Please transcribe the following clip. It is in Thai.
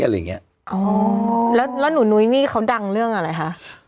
แล้วนุ้นุ๊ยนี่เขาดังเรื่องอะไรค่ะ